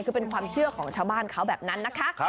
คือเป็นความเชื่อของชาวบ้านเขาแบบนั้นนะคะ